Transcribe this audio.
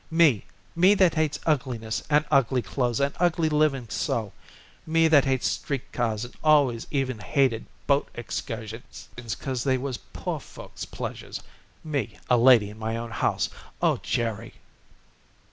Me! Me that hates ugliness and ugly clothes and ugly living so. Me that hates street cars and always even hated boat excursions 'cause they was poor folks' pleasures. Me a lady in my own house. Oh, Jerry!"